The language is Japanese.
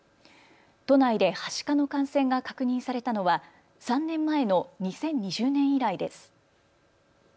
都内ではしかの感染が確認されたのは３年前の２０２０年以来です。